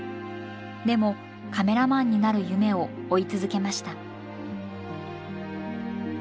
でもカメラマンになる夢を追い続けました。